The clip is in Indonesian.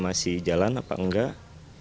masih jalan apa nggak